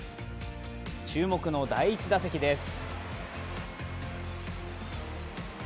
注目の第１打席です。